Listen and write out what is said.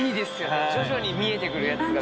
徐々に見えてくるやつが。